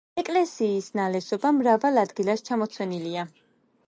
ეკლესიის ნალესობა მრავალ ადგილას ჩამოცვენილია.